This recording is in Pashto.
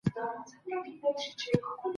شرم د سړي لپاره لوی تاوان دی.